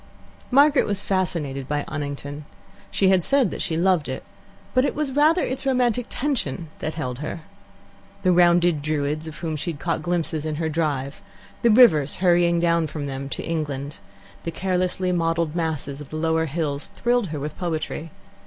Margaret was fascinated by Oniton. She had said that she loved it, but it was rather its romantic tension that held her. The rounded Druids of whom she had caught glimpses in her drive, the rivers hurrying down from them to England, the carelessly modelled masses of the lower hills, thrilled her with poetry.